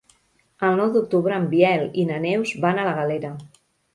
El nou d'octubre en Biel i na Neus van a la Galera.